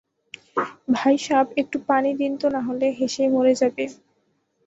ভাইসাব, একটু পানি দিন তো নাহলে হেসেই মরে যাবে।